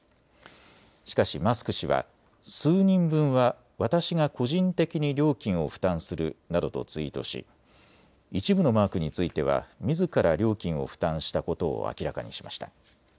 しかしマスク氏は数人分は私が個人的に料金を負担するなどとツイートし一部のマークについてはみずから料金を負担したことを明らかにしました。